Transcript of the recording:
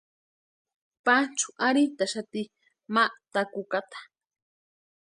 Panchu arhintaxati ma takukata.